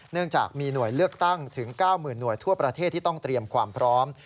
เนื่องจากมีหน่วยเลือกตั้งถึง๙๐๐หน่วยทั่วประเทศที่ต้องเตรียมความพร้อม